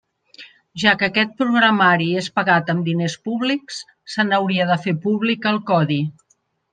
Ja que aquest programari és pagat amb diners públics, se n'hauria de fer públic el codi.